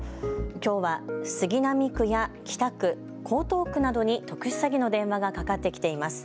きょうは、杉並区や北区、江東区などに特殊詐欺の電話がかかってきています。